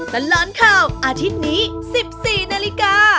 ตลอดข่าวอาทิตย์นี้๑๔นาฬิกา